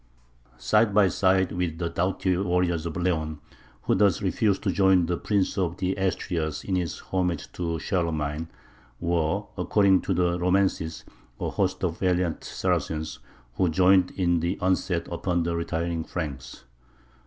Side by side with the doughty warriors of Leon, who thus refused to join the Prince of the Asturias in his homage to Charlemagne, were (according to the romances) a host of valiant Saracens, who joined in the onset upon the retiring Franks.